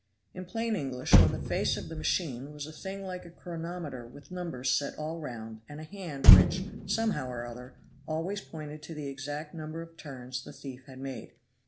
In plain English, on the face of the machine was a thing like a chronometer with numbers set all round and a hand which, somehow or other, always pointed to the exact number of turns the thief had made.